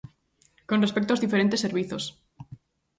Con respecto aos diferentes servizos.